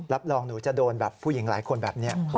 รับรองหนูจะโดนแบบผู้หญิงหลายคนแบบนี้